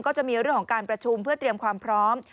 จะมีเรื่องของการประชุมเพื่อเตรียมความพร้อม